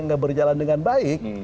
nggak berjalan dengan baik